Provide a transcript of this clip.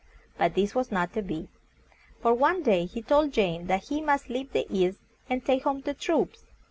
But this was not to be, for one day he told Jane that he must leave the East, and take home the troops.